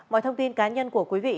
mọi thông tin cá nhân của quý vị